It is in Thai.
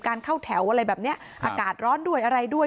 เข้าแถวอะไรแบบนี้อากาศร้อนด้วยอะไรด้วย